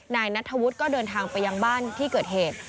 นายนัทธวุฒิก็เดินทางไปยังบ้านที่เกิดเหตุ